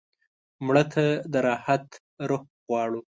مړه ته د راحت روح غواړو